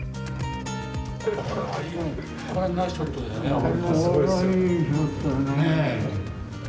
これはナイスショットだよね！